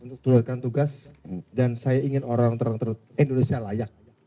untuk teruskan tugas dan saya ingin orang terlalu terutama indonesia layak